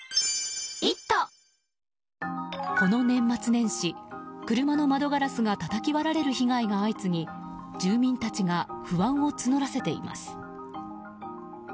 この年末年始、車の窓ガラスがたたき割られる被害が相次ぎ住民たちが不安を募らせています。